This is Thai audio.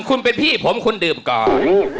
คุณเป็นพี่ผมคุณดื่มก่อน